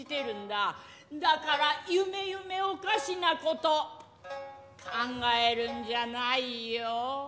だからゆめゆめおかしなこと考えるんじゃないよ！